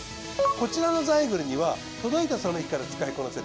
こちらのザイグルには届いたその日から使いこなせる